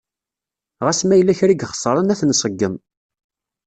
Ɣas ma yella kra i ixeṣren a t-nṣeggem.